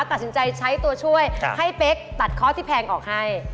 ตัดสินใจใช้ตัวช่วยให้เป๊กตัดข้อที่แพงออกให้